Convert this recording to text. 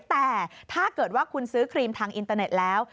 แต่ถ้าเกิดว่าคุณซื้อครีมทางอินเตอร์เน็ตแล้ว